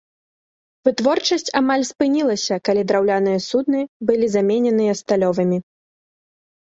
Вытворчасць амаль спынілася, калі драўляныя судны былі замененыя сталёвымі.